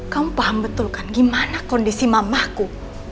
kamu paham betul kan gimana kondisi mamahku